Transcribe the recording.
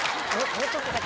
もうちょっとだけ。